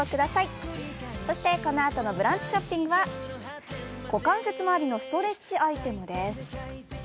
そしてこのあとのブランチショッピングは股関節周りのストレッチアイテムです。